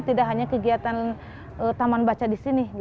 tidak hanya kegiatan taman baca di sini